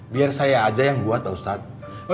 biar saya aja yang buat ustadz